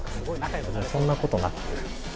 でもそんなことなく。